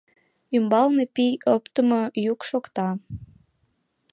Умбалне пий оптымо йӱк шокта.